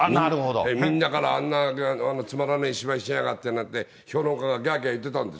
みんなから、あんなつまらねえ芝居しやがってなんて評論家がぎゃーぎゃー言ってたんです。